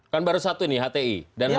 kan baru satu ini hti